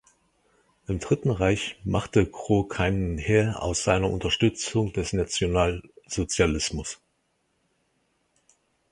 Im „Dritten Reich“ machte Kroh keinen Hehl aus seiner Unterstützung des Nationalsozialismus.